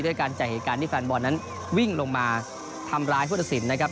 ด้วยการจากเหตุการณ์ที่แฟนบอลนั้นวิ่งลงมาทำร้ายผู้ตัดสินนะครับ